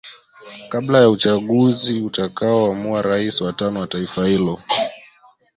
Kabla ya uchaguzi utakao amua rais wa tano wa taifa hilo.